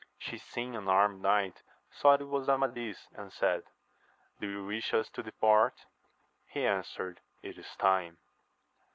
She seeing an armed knight, thought it was Amadis, and said, Do you wish us to depart ? He answered, It is time